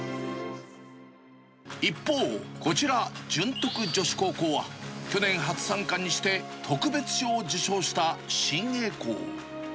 一方、こちら潤徳女子高校は、去年初参加にして、特別賞を受賞した新鋭校。